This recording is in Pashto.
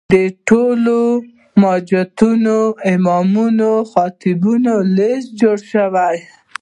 د ټولو جوماتونو امامانو او خطیبانو لست جوړ شي.